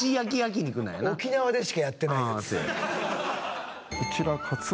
沖縄でしかやってないやつ。